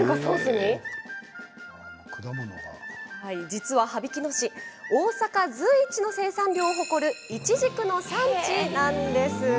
実は羽曳野市大阪随一の生産量を誇るイチジクの産地なんです。